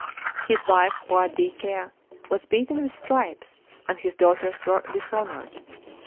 His wife Boadicea* was beaten with stripes, and his daughters were dishonoured.